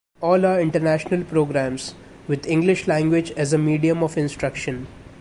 All are international programs, with English language as a medium of instruction.